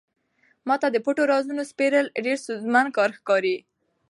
ما ته د پټو رازونو سپړل ډېر ستونزمن کار ښکاري.